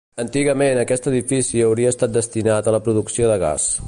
Antigament aquest edifici hauria estat destinat a la producció de gas.